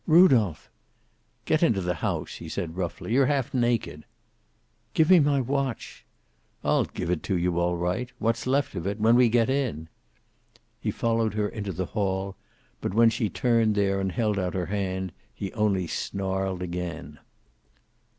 "Rudolph!" "Get into the house," he said roughly. "You're half naked." "Give me my watch." "I'll give it to you, all right. What's left of it. When we get in." He followed her into the hail, but when she turned there and held out her hand, he only snarled again.